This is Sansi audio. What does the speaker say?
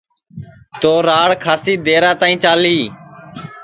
تو راڑ کھاسی درا تائی چالی